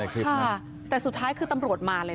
ตั้งแต่ถุงมือลูกฮีไปแล้ว